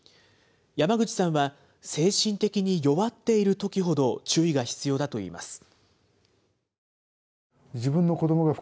山口さんは、精神的に弱っているときほど、注意が必要だといいます。